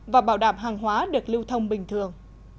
và bảo đảm hàng hóa được lưu thông bình thường